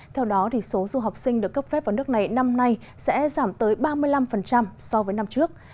theo đó số du học sinh được cấp phép vào nước này năm nay sẽ giảm tới ba mươi năm so với năm trước